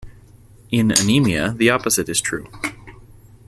In anemia, the opposite is true.